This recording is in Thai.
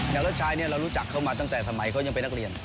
ยากเล่อชายเรารู้จักเขามาตั้งแต่ที่เขายังเป็นนักเรียน